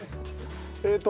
えっと。